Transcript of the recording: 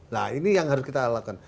nah ini yang harus kita lakukan